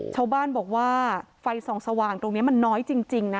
ชาวบ้านบอกว่าไฟส่องสว่างตรงนี้มันน้อยจริงนะ